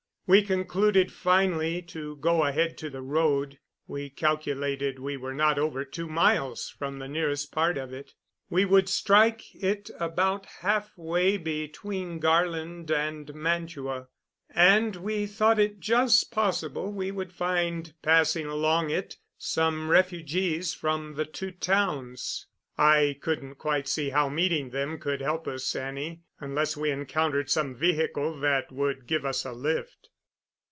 We concluded finally to go ahead to the road. We calculated we were not over two miles from the nearest part of it. We would strike it about halfway between Garland and Mantua, and we thought it just possible we would find passing along it some refugees from the two towns. I couldn't quite see how meeting them could help us any, unless we encountered some vehicle that would give us a lift.